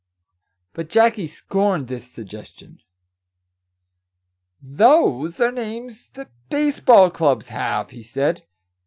But Jackie scorned this suggestion. cc Those are names that baseball clubs have," he said.